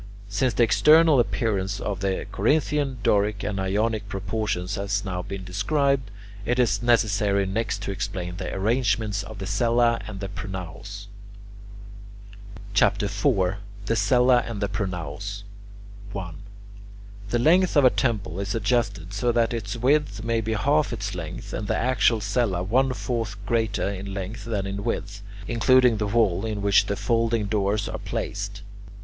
Since the external appearance of the Corinthian, Doric, and Ionic proportions has now been described, it is necessary next to explain the arrangements of the cella and the pronaos. CHAPTER IV THE CELLA AND PRONAOS 1. The length of a temple is adjusted so that its width may be half its length, and the actual cella one fourth greater in length than in width, including the wall in which the folding doors are placed.